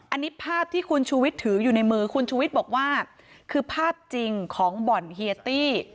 อันนี้ภาพที่คุณชูวิทย์ถืออยู่ในมือคุณชูวิทย์บอกว่าคือภาพจริงของบ่อนเฮียตี้